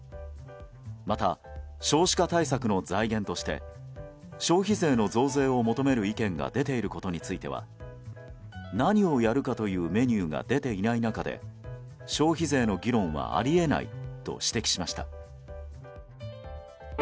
また、少子化対策の財源として消費税の増税を求める意見が出ていることについては何をやるかというメニューが出ていない中で消費税の議論はあり得ないと指摘しました。